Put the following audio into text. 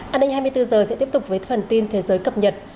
an ninh hai mươi bốn h sẽ tiếp tục với phần tin thế giới cập nhật